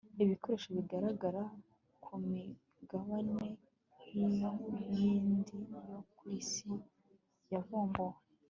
ibikoresho bigaragara ku migabane yindi yo ku isi yavumbuwe